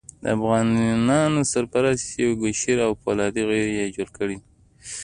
د افغانانو سړیتوب یې کوشیر کړی او فولادي غر یې جوړ کړی.